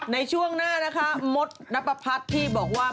ในช่วงหน้านะคะมดนับประพัฒน์ที่บอกว่า